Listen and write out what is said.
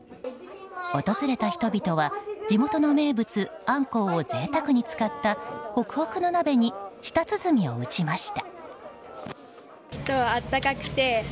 訪れた人々は地元の名物、あんこうを贅沢に使ったホクホクの鍋に舌鼓を打ちました。